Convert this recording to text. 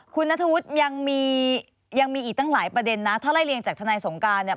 คุณนัทธวุฒิยังมียังมีอีกตั้งหลายประเด็นนะถ้าไล่เรียงจากทนายสงการเนี่ย